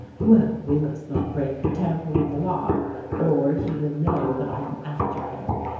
Well, we must not break or tamper with the lock or he will know that I am after him.